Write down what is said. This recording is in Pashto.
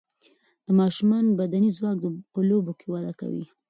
د ماشومان بدني ځواک په لوبو کې وده کوي.